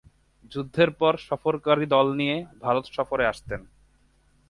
যুদ্ধের পর সফরকারী দল নিয় ভারত সফরে আসতেন।